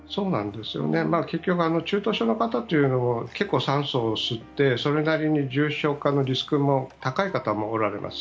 結局中等症の方というのは結構酸素を吸ってそれなりに重症化のリスクも高い方もおられます。